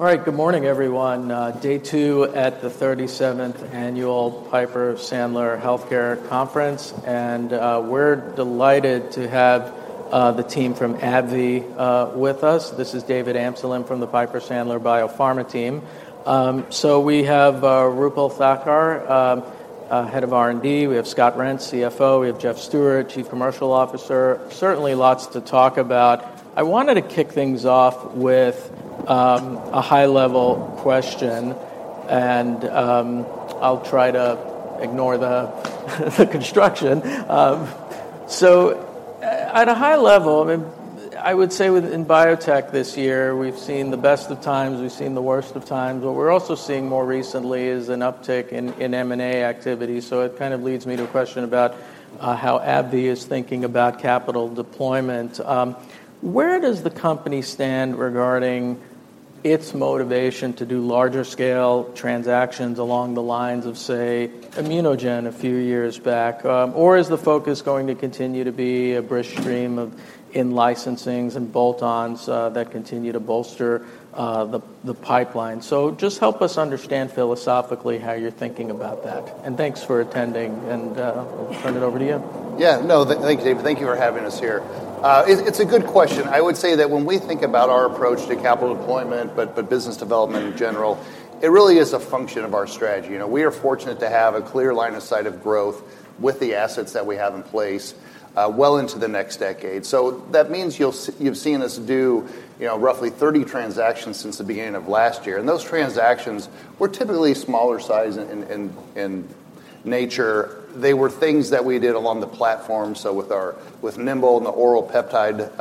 All right, good morning, everyone. Day two at the 37th Annual Piper Sandler Healthcare Conference, and we're delighted to have the team from AbbVie with us. This is David Amsellem from the Piper Sandler Biopharma Team. So we have Roopal Thakkar, Head of R&D. We have Scott Reents, CFO. We have Jeff Stewart, Chief Commercial Officer. Certainly lots to talk about. I wanted to kick things off with a high-level question, and I'll try to ignore the construction. So at a high level, I would say in biotech this year, we've seen the best of times. We've seen the worst of times. What we're also seeing more recently is an uptick in M&A activity. So it kind of leads me to a question about how AbbVie is thinking about capital deployment. Where does the company stand regarding its motivation to do larger-scale transactions along the lines of, say, ImmunoGen a few years back? Or is the focus going to continue to be a brisk stream of licensings and bolt-ons that continue to bolster the pipeline? So just help us understand philosophically how you're thinking about that. And thanks for attending, and I'll turn it over to you. Yeah, no, thank you, David. Thank you for having us here. It's a good question. I would say that when we think about our approach to capital deployment, but business development in general, it really is a function of our strategy. We are fortunate to have a clear line of sight of growth with the assets that we have in place well into the next decade. So that means you've seen us do roughly 30 transactions since the beginning of last year. And those transactions were typically smaller size in nature. They were things that we did along the platform. So with Nimble and the oral peptide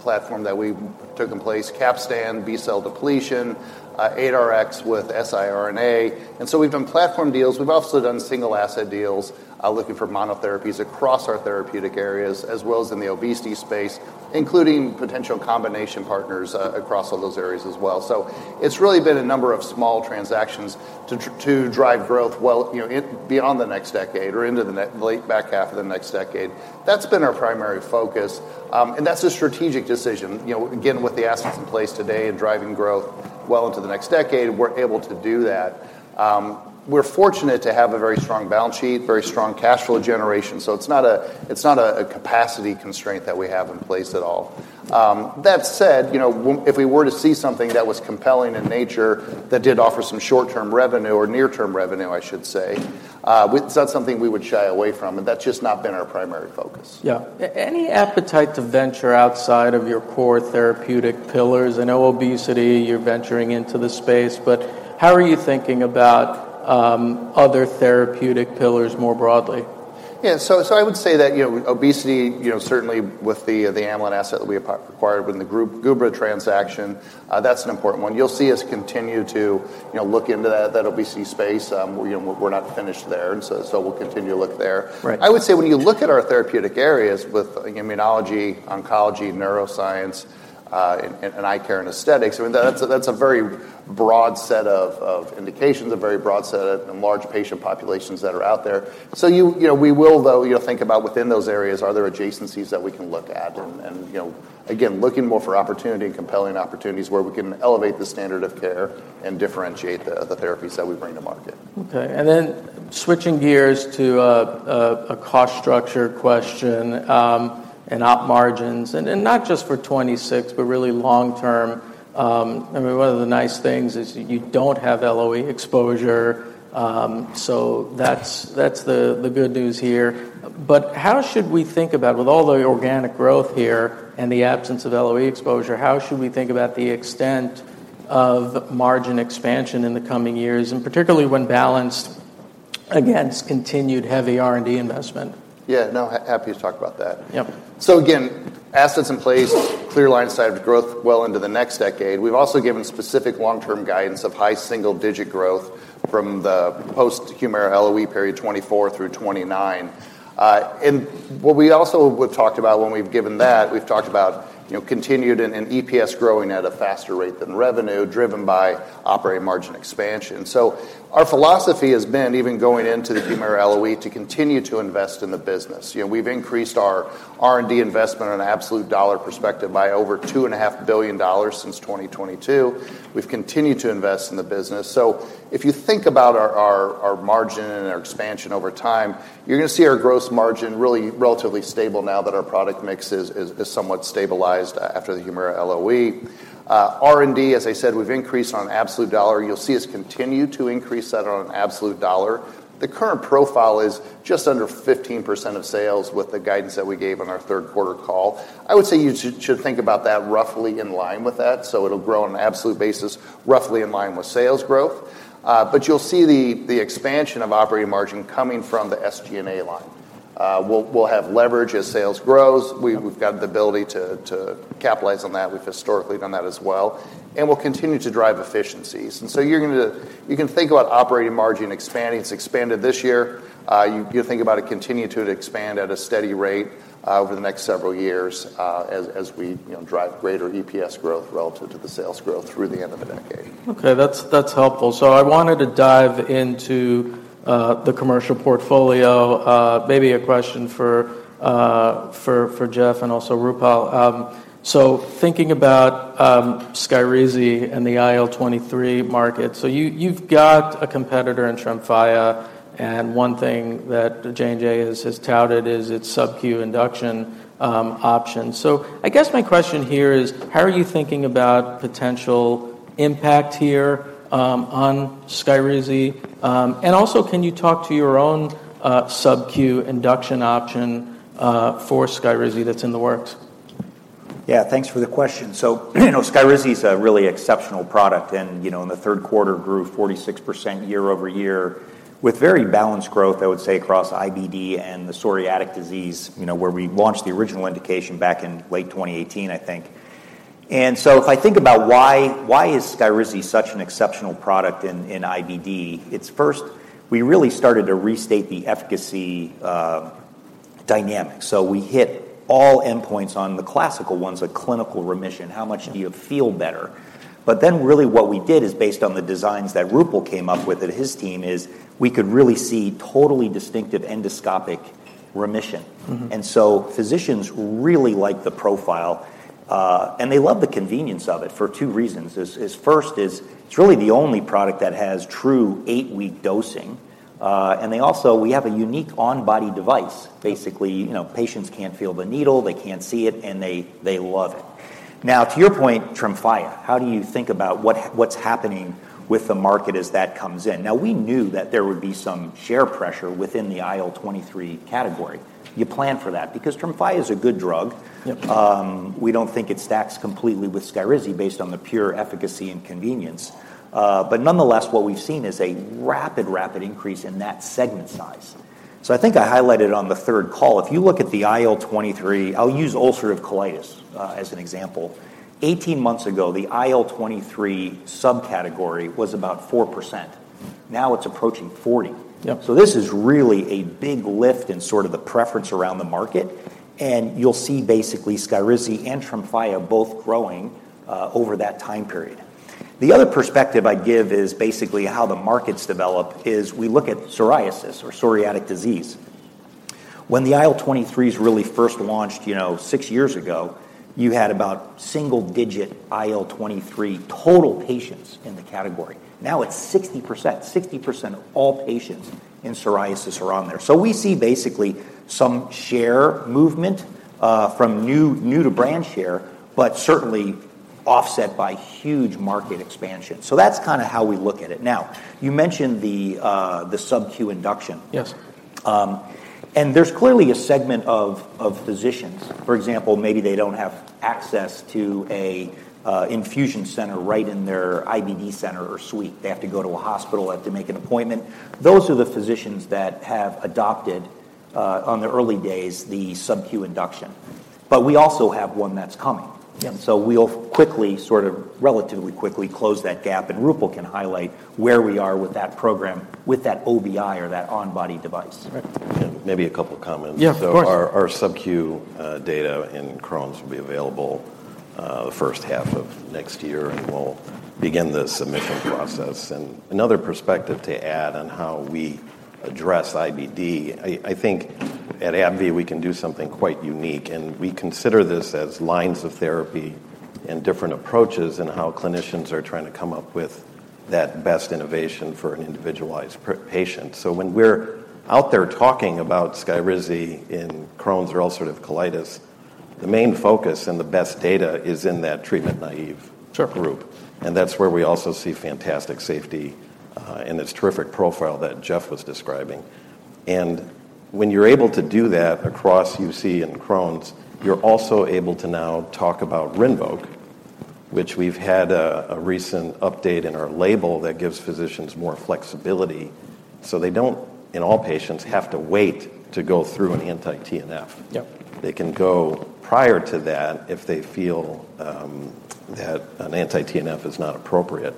platform that we took in place, Capstan, B-cell depletion, 8Rx with siRNA. And so we've done platform deals. We've also done single-asset deals looking for monotherapies across our therapeutic areas, as well as in the obesity space, including potential combination partners across all those areas as well. So it's really been a number of small transactions to drive growth well beyond the next decade or into the back half of the next decade. That's been our primary focus. And that's a strategic decision. Again, with the assets in place today and driving growth well into the next decade, we're able to do that. We're fortunate to have a very strong balance sheet, very strong cash flow generation. So it's not a capacity constraint that we have in place at all. That said, if we were to see something that was compelling in nature that did offer some short-term revenue or near-term revenue, I should say, that's something we would shy away from. That's just not been our primary focus. Yeah. Any appetite to venture outside of your core therapeutic pillars? I know obesity, you're venturing into the space, but how are you thinking about other therapeutic pillars more broadly? Yeah, so I would say that obesity, certainly with the novel asset that we acquired within the Gubra transaction, that's an important one. You'll see us continue to look into that obesity space. We're not finished there, and so we'll continue to look there. I would say when you look at our therapeutic areas with immunology, oncology, neuroscience, and eye care and aesthetics, that's a very broad set of indications, a very broad set of large patient populations that are out there. So we will, though, think about within those areas, are there adjacencies that we can look at? And again, looking more for opportunity and compelling opportunities where we can elevate the standard of care and differentiate the therapies that we bring to market. Okay, and then switching gears to a cost structure question and op margins, and not just for 2026, but really long term. One of the nice things is you don't have LOE exposure, so that's the good news here. But how should we think about, with all the organic growth here and the absence of LOE exposure, how should we think about the extent of margin expansion in the coming years, and particularly when balanced against continued heavy R&D investment? Yeah, no, happy to talk about that. So again, assets in place, clear line of sight of growth well into the next decade. We have also given specific long-term guidance of high-single-digit growth from the post-Humira LOE period 2024 through 2029. And what we also talked about when we have given that, we have talked about continued and EPS growing at a faster rate than revenue driven by operating margin expansion. Our philosophy has been, even going into the Humira LOE, to continue to invest in the business. We have increased our R&D investment on an absolute dollar perspective by over $2.5 billion since 2022. We have continued to invest in the business. So if you think about our margin and our expansion over time, you are going to see our gross margin really relatively stable now that our product mix is somewhat stabilized after the Humira LOE. R&D, as I said, we've increased on absolute dollar. You'll see us continue to increase that on absolute dollar. The current profile is just under 15% of sales with the guidance that we gave on our third quarter call. I would say you should think about that roughly in line with that. So it'll grow on an absolute basis, roughly in line with sales growth. But you'll see the expansion of operating margin coming from the SG&A line. We'll have leverage as sales grows. We've got the ability to capitalize on that. We've historically done that as well. And we'll continue to drive efficiencies. And so you can think about operating margin expanding. It's expanded this year. You think about it continuing to expand at a steady rate over the next several years as we drive greater EPS growth relative to the sales growth through the end of the decade. Okay, that's helpful. So I wanted to dive into the commercial portfolio. Maybe a question for Jeff and also Roopal. So thinking about Skyrizi and the IL-23 market, so you've got a competitor in Tremfya, and one thing that J&J has touted is its sub-Q induction option. So I guess my question here is, how are you thinking about potential impact here on Skyrizi? And also, can you talk to your own sub-Q induction option for Skyrizi that's in the works? Yeah, thanks for the question. So Skyrizi is a really exceptional product, and in the third quarter, grew 46% year over year with very balanced growth, I would say, across IBD and the psoriatic disease, where we launched the original indication back in late 2018, I think. And so if I think about why is Skyrizi such an exceptional product in IBD, it's first, we really started to restate the efficacy dynamic. So we hit all endpoints on the classical ones, a clinical remission, how much do you feel better? But then really what we did is based on the designs that Roopal came up with and his team is we could really see totally distinctive endoscopic remission. And so physicians really like the profile, and they love the convenience of it for two reasons. First, it's really the only product that has true eight-week dosing. And also, we have a unique on-body device. Basically, patients can't feel the needle. They can't see it, and they love it. Now, to your point, Tremfya, how do you think about what's happening with the market as that comes in? Now, we knew that there would be some share pressure within the IL-23 category. You plan for that because Tremfya is a good drug. We don't think it stacks completely with Skyrizi based on the pure efficacy and convenience. But nonetheless, what we've seen is a rapid, rapid increase in that segment size. So I think I highlighted on the third call, if you look at the IL-23, I'll use Ulcerative Colitis as an example. 18 months ago, the IL-23 subcategory was about 4%. Now it's approaching 40%. So this is really a big lift in sort of the preference around the market. You'll see basically Skyrizi and Tremfya both growing over that time period. The other perspective I give is basically how the markets develop is we look at Psoriasis or Psoriatic Disease. When the IL-23s really first launched six years ago, you had about single-digit IL-23 total patients in the category. Now it's 60%. 60% of all patients in psoriasis are on there. So we see basically some share movement from new to brand share, but certainly offset by huge market expansion. So that's kind of how we look at it. Now, you mentioned the sub-Q induction. And there's clearly a segment of physicians, for example, maybe they don't have access to an infusion center right in their IBD center or suite. They have to go to a hospital. They have to make an appointment. Those are the physicians that have adopted on the early days the sub-Q induction. But we also have one that's coming. And so we'll quickly, sort of relatively quickly, close that gap. And Roopal can highlight where we are with that program, with that OBI or that on-body device. Maybe a couple of comments. Our sub-Q data in Crohn's will be available the first half of next year, and we'll begin the submission process, and another perspective to add on how we address IBD. I think at AbbVie, we can do something quite unique, and we consider this as lines of therapy and different approaches and how clinicians are trying to come up with that best innovation for an individualized patient, so when we're out there talking about Skyrizi in Crohn's or ulcerative colitis, the main focus and the best data is in that treatment naive group, and that's where we also see fantastic safety and this terrific profile that Jeff was describing, and when you're able to do that across UC and Crohn's, you're also able to now talk about Rinvoq, which we've had a recent update in our label that gives physicians more flexibility. So they don't, in all patients, have to wait to go through an anti-TNF. They can go prior to that if they feel that an anti-TNF is not appropriate.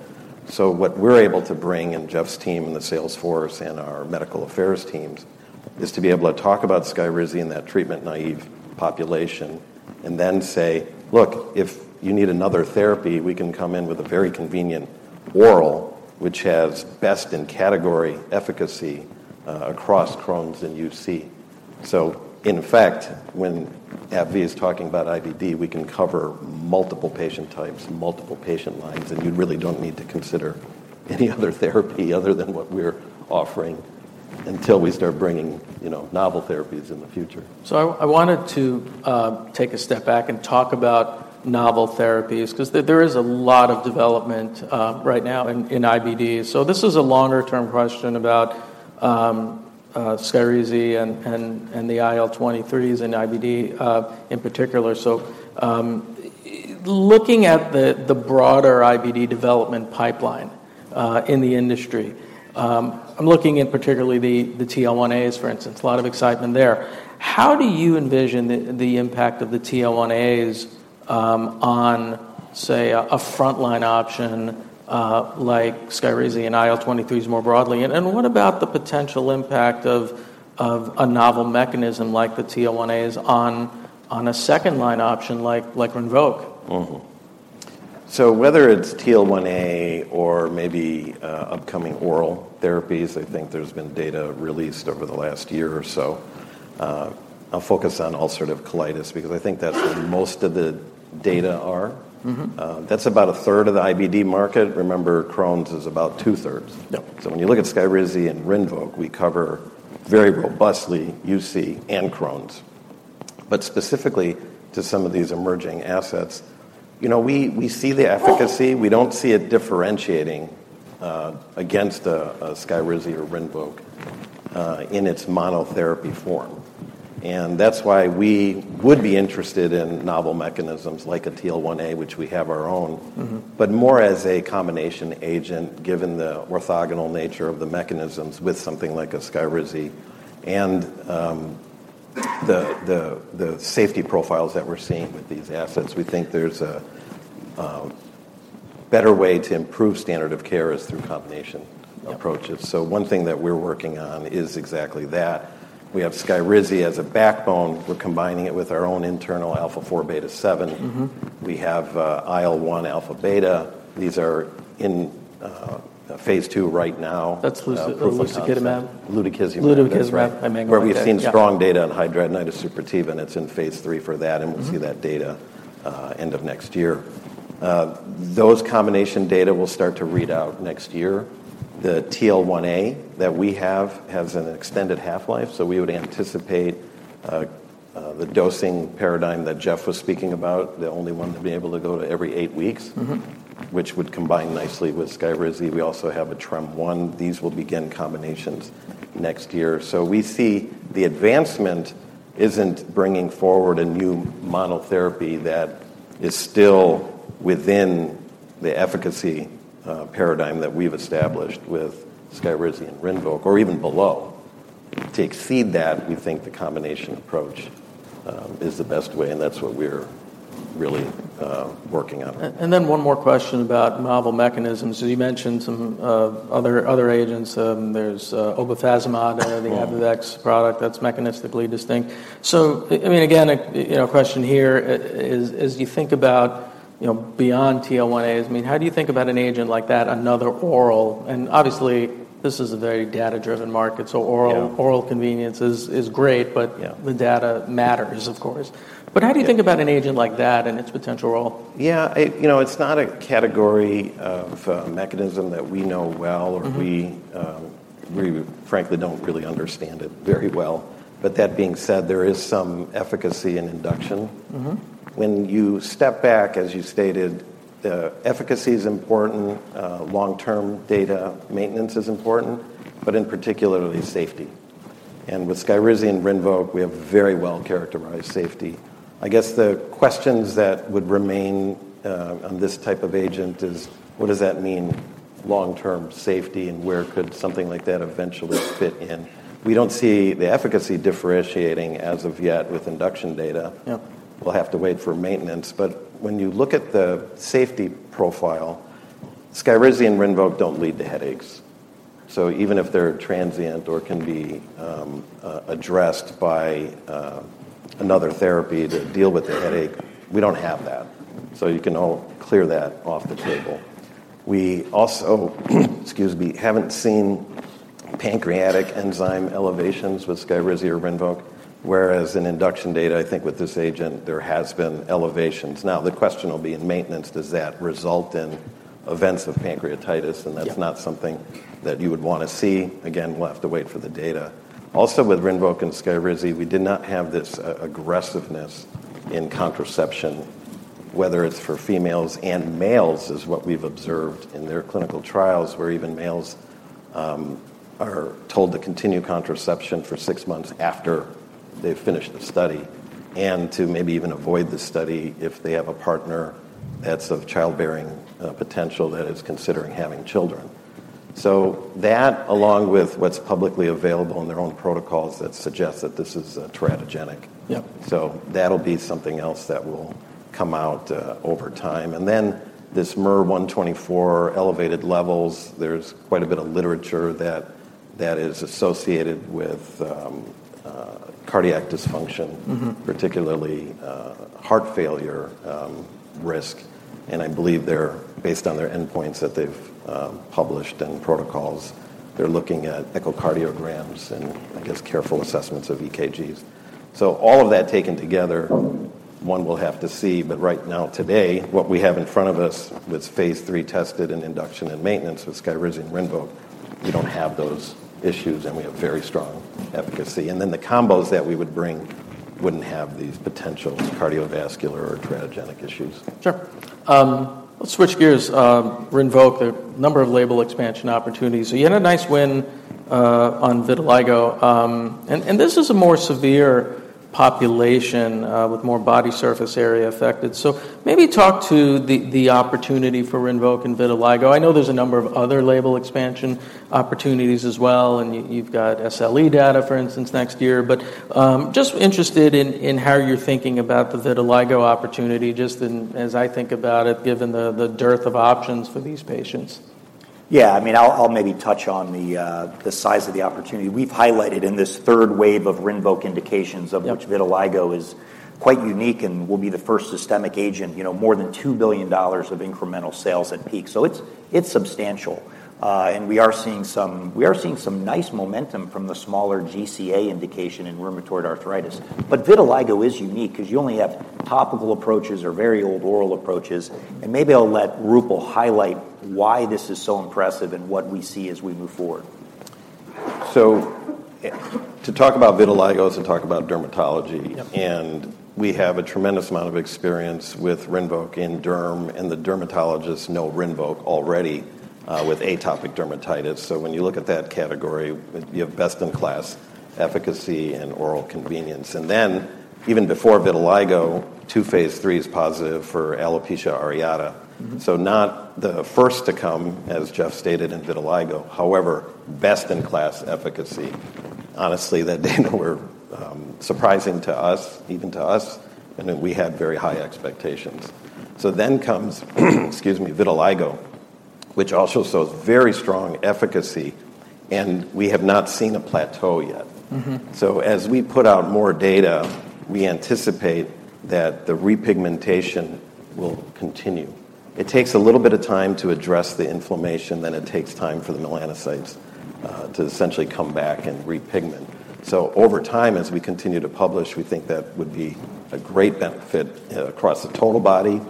So what we're able to bring in Jeff's team and the sales force and our medical affairs teams is to be able to talk about Skyrizi in that treatment naive population and then say, "Look, if you need another therapy, we can come in with a very convenient oral, which has best in category efficacy across Crohn's and UC." So in fact, when AbbVie is talking about IBD, we can cover multiple patient types, multiple patient lines, and you really don't need to consider any other therapy other than what we're offering until we start bringing novel therapies in the future. I wanted to take a step back and talk about novel therapies because there is a lot of development right now in IBD. This is a longer-term question about Skyrizi and the IL-23s and IBD in particular. Looking at the broader IBD development pipeline in the industry, I'm looking in particular at the TL1As, for instance, a lot of excitement there. How do you envision the impact of the TL1As on, say, a frontline option like Skyrizi and IL-23s more broadly? And what about the potential impact of a novel mechanism like the TL1As on a second line option like Rinvoq? So whether it's TL1A or maybe upcoming oral therapies, I think there's been data released over the last year or so. I'll focus on ulcerative colitis because I think that's where most of the data are. That's about a third of the IBD market. Remember, Crohn's is about two-thirds. So when you look at Skyrizi and Rinvoq, we cover very robustly UC and Crohn's. But specifically to some of these emerging assets, we see the efficacy. We don't see it differentiating against a Skyrizi or Rinvoq in its monotherapy form. And that's why we would be interested in novel mechanisms like a TL1A, which we have our own, but more as a combination agent given the orthogonal nature of the mechanisms with something like a Skyrizi and the safety profiles that we're seeing with these assets. We think there's a better way to improve standard of care is through combination approaches. So one thing that we're working on is exactly that. We have Skyrizi as a backbone. We're combining it with our own internal alpha-4 beta-7. We have IL-1 alpha-beta. These are in phase two right now. That's what's the Lutikizumab? Lutikizumab, where we've seen strong data on Hidradenitis Suppurativa, and it's in phase three for that. And we'll see that data end of next year. Those combination data will start to read out next year. The TL1A that we have has an extended half-life, so we would anticipate the dosing paradigm that Jeff was speaking about, the only one to be able to go to every eight weeks, which would combine nicely with Skyrizi. We also have a TREM-1. These will begin combinations next year. So we see the advancement isn't bringing forward a new monotherapy that is still within the efficacy paradigm that we've established with Skyrizi and Rinvoq or even below. To exceed that, we think the combination approach is the best way, and that's what we're really working on. And then one more question about novel mechanisms. You mentioned some other agents. There's Obefazimod, the Abivax product that's mechanistically distinct. So I mean, again, a question here is, as you think about beyond TL1As, I mean, how do you think about an agent like that, another oral? And obviously, this is a very data-driven market, so oral convenience is great, but the data matters, of course. But how do you think about an agent like that and its potential role? Yeah, it's not a category of mechanism that we know well or we frankly don't really understand it very well. But that being said, there is some efficacy in induction. When you step back, as you stated, efficacy is important. Long-term data maintenance is important, but in particular, safety. And with Skyrizi and Rinvoq, we have very well-characterized safety. I guess the questions that would remain on this type of agent is, what does that mean, long-term safety, and where could something like that eventually fit in? We don't see the efficacy differentiating as of yet with induction data. We'll have to wait for maintenance. But when you look at the safety profile, Skyrizi and Rinvoq don't lead to headaches. So even if they're transient or can be addressed by another therapy to deal with the headache, we don't have that. So you can all clear that off the table. We also, excuse me, haven't seen pancreatic enzyme elevations with Skyrizi or Rinvoq, whereas in induction data, I think with this agent, there has been elevations. Now, the question will be in maintenance, does that result in events of pancreatitis? And that's not something that you would want to see. Again, we'll have to wait for the data. Also with Rinvoq and Skyrizi, we did not have this aggressiveness in contraception, whether it's for females and males is what we've observed in their clinical trials where even males are told to continue contraception for six months after they've finished the study and to maybe even avoid the study if they have a partner that's of childbearing potential that is considering having children. So that, along with what's publicly available in their own protocols that suggests that this is a teratogenic. So that'll be something else that will come out over time. And then this miR-124 elevated levels, there's quite a bit of literature that is associated with cardiac dysfunction, particularly heart failure risk. And I believe they're based on their endpoints that they've published and protocols. They're looking at echocardiograms and, I guess, careful assessments of EKGs. So all of that taken together, one will have to see. But right now, today, what we have in front of us with phase three tested and induction and maintenance with Skyrizi and Rinvoq, we don't have those issues, and we have very strong efficacy. And then the combos that we would bring wouldn't have these potential cardiovascular or teratogenic issues. Sure. Let's switch gears. Rinvoq, a number of label expansion opportunities. So you had a nice win on Vitiligo. And this is a more severe population with more body surface area affected. So maybe talk to the opportunity for Rinvoq and Vitiligo. I know there's a number of other label expansion opportunities as well. And you've got SLE data, for instance, next year. But just interested in how you're thinking about the Vitiligo opportunity just as I think about it, given the dearth of options for these patients. Yeah. I mean, I'll maybe touch on the size of the opportunity. We've highlighted in this third wave of Rinvoq indications of which vitiligo is quite unique and will be the first systemic agent, more than $2 billion of incremental sales at peak. So it's substantial. And we are seeing some nice momentum from the smaller GCA indication in Rheumatoid Arthritis. But vitiligo is unique because you only have topical approaches or very old oral approaches. And maybe I'll let Roopal highlight why this is so impressive and what we see as we move forward. To talk about vitiligo is to talk about dermatology. We have a tremendous amount of experience with Rinvoq in derm. The dermatologists know Rinvoq already with atopic dermatitis. When you look at that category, you have best-in-class efficacy and oral convenience. Even before vitiligo, two phase 3 trials are positive for alopecia areata. We are not the first to come, as Jeff stated, in vitiligo. However, we have best-in-class efficacy. Honestly, that data were surprising to us, even to us. We had very high expectations. Then comes, excuse me, vitiligo, which also shows very strong efficacy. We have not seen a plateau yet. As we put out more data, we anticipate that the repigmentation will continue. It takes a little bit of time to address the inflammation than it takes time for the melanocytes to essentially come back and repigment. Over time, as we continue to publish, we think that would be a great benefit across the total body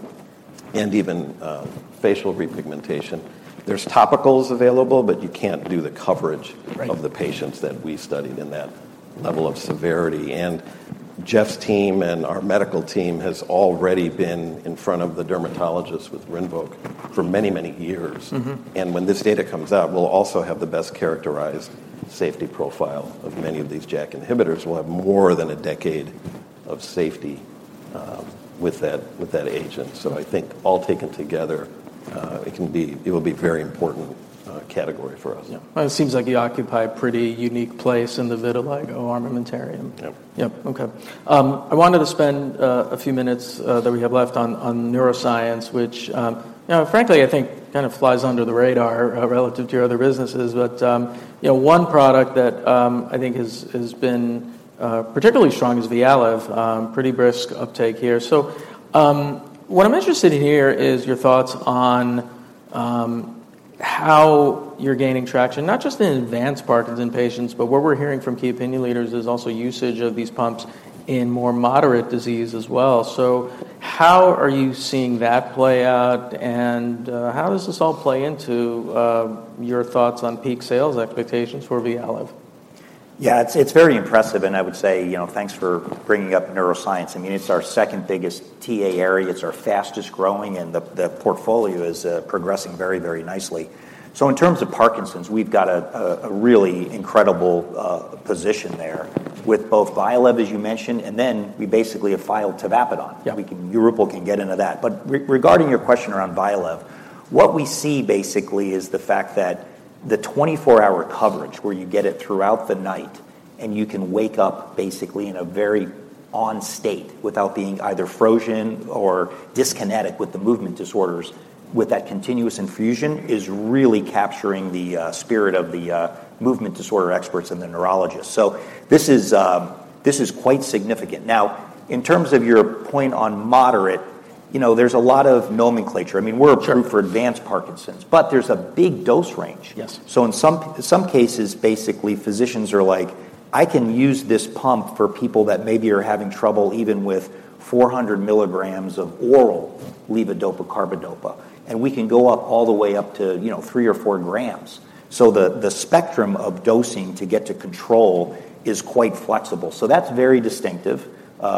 and even facial repigmentation. There's topicals available, but you can't do the coverage of the patients that we studied in that level of severity. Jeff's team and our medical team has already been in front of the dermatologists with Rinvoq for many, many years. When this data comes out, we'll also have the best characterized safety profile of many of these JAK inhibitors. We'll have more than a decade of safety with that agent. I think all taken together, it will be a very important category for us. Yeah. It seems like you occupy a pretty unique place in the vitiligo armamentarium. Yep. Yep. Okay. I wanted to spend a few minutes that we have left on neuroscience, which, frankly, I think kind of flies under the radar relative to your other businesses. But one product that I think has been particularly strong is Vyalev, pretty brisk uptake here. So what I'm interested in here is your thoughts on how you're gaining traction, not just in advanced Parkinson's patients, but what we're hearing from key opinion leaders is also usage of these pumps in more moderate disease as well. So how are you seeing that play out? And how does this all play into your thoughts on peak sales expectations for Vyalev? Yeah. It's very impressive. And I would say thanks for bringing up neuroscience. I mean, it's our second biggest TA area. It's our fastest growing. And the portfolio is progressing very, very nicely. So in terms of Parkinson's, we've got a really incredible position there with both Vyalev, as you mentioned, and then we basically have filed tavapadon. You, Roopal, can get into that. But regarding your question around Vyalev, what we see basically is the fact that the 24-hour coverage where you get it throughout the night and you can wake up basically in a very on state without being either frozen or dyskinetic with the movement disorders with that continuous infusion is really capturing the spirit of the movement disorder experts and the neurologists. So this is quite significant. Now, in terms of your point on moderate, there's a lot of nomenclature. I mean, we're approved for advanced Parkinson's, but there's a big dose range. So in some cases, basically, physicians are like, "I can use this pump for people that maybe are having trouble even with 400 mg of oral levodopa/carbidopa." And we can go up all the way up to 3 or 4 g. So the spectrum of dosing to get to control is quite flexible. So that's very distinctive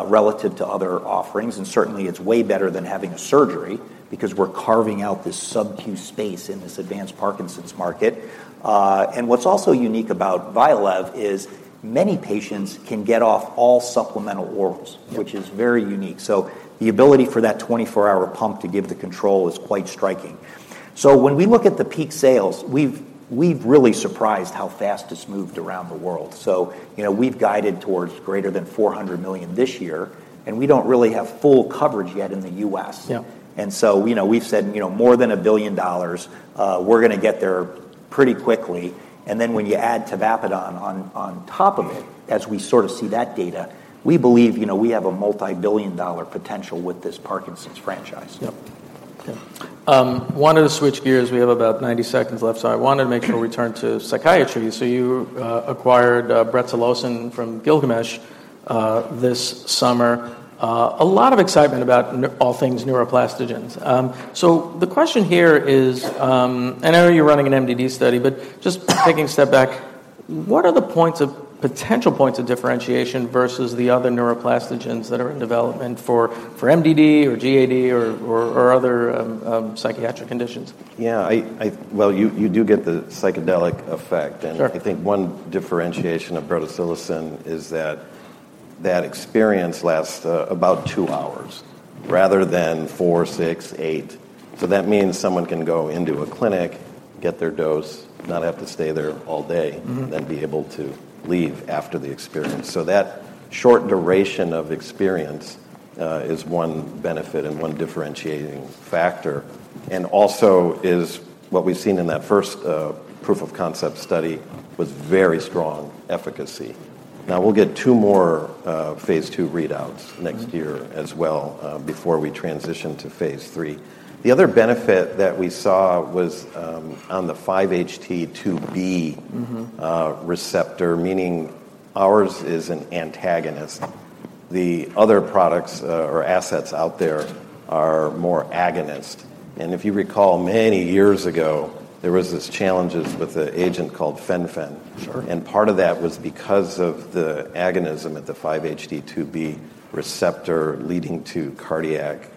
relative to other offerings. And certainly, it's way better than having a surgery because we're carving out this sub-Q space in this advanced Parkinson's market. And what's also unique about Vyalev is many patients can get off all supplemental orals, which is very unique. So the ability for that 24-hour pump to give the control is quite striking. So when we look at the peak sales, we've really surprised how fast it's moved around the world. We've guided towards greater than $400 million this year. We don't really have full coverage yet in the U.S. We've said more than $1 billion. We're going to get there pretty quickly. When you add tavapadon on top of it, as we sort of see that data, we believe we have a multi-billion-dollar potential with this Parkinson's franchise. Yep. Yep. Wanted to switch gears. We have about 90 seconds left. So I wanted to make sure we turn to psychiatry. So you acquired Brotosilicin from Gilgamesh this summer. A lot of excitement about all things neuroplastogens. So the question here is, I know you're running an MDD study, but just taking a step back, what are the potential points of differentiation versus the other neuroplastogens that are in development for MDD or GAD or other psychiatric conditions? Yeah. Well, you do get the psychedelic effect. And I think one differentiation of brotosilicin is that that experience lasts about 2 hours rather than 4, 6, 8. So that means someone can go into a clinic, get their dose, not have to stay there all day, then be able to leave after the experience. So that short duration of experience is one benefit and one differentiating factor. And also is what we've seen in that first proof of concept study was very strong efficacy. Now, we'll get two more phase two readouts next year as well before we transition to phase three. The other benefit that we saw was on the 5-HT2B receptor, meaning ours is an antagonist. The other products or assets out there are more agonist. And if you recall, many years ago, there were these challenges with an agent called Fen-Phen. And part of that was because of the agonism at the 5-HT2B receptor leading to cardiac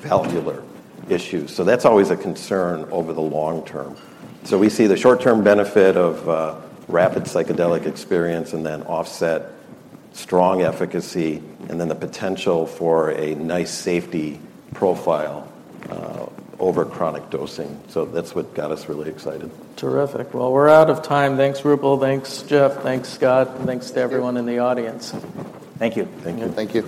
valvular issues. So that's always a concern over the long term. So we see the short-term benefit of rapid psychedelic experience and then offset strong efficacy and then the potential for a nice safety profile over chronic dosing. So that's what got us really excited. Terrific. Well, we're out of time. Thanks, Roopal. Thanks, Jeff. Thanks, Scott. And thanks to everyone in the audience. Thank you. Thank you. Thank you.